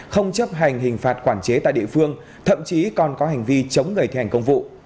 không chấp hành hình phạt quản chế tại địa phương thậm chí còn có hành vi chống người thi hành công vụ